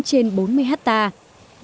trên bốn mươi hectare